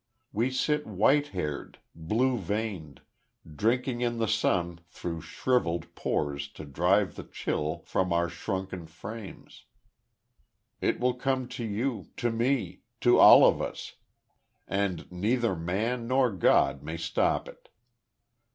We sit white haired, blue veined, drinking in the sun through shrivelled pores to drive the chill from our shrunken frames. It will come to you to me to all of us. And neither man, nor God may stop it."